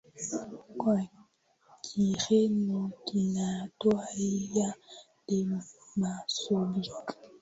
kwa Kireno kinaitwa Ilha de Moçambique